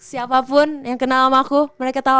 siapapun yang kenal sama aku mereka tahu